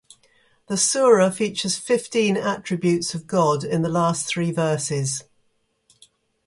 The surah features Fifteen attributes of God in the last three verses.